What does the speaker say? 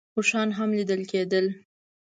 اوښان هم لیدل کېدل.